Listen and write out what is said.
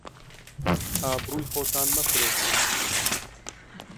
ئابڕووی خۆتان مەفرۆشن